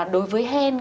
đối với hen